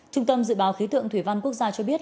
trung tâm dự báo khí tượng thủy văn quốc gia cho biết